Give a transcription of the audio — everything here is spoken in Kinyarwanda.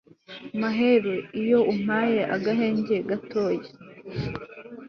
maheru iyo umpaye agahenge gatoya